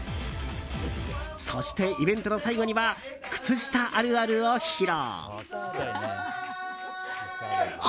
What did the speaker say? そして、イベントの最後には靴下あるあるを披露。